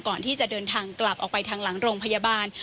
ก่อนที่จะเดินทางกลับออกไปทางหลังโรงพยาบาล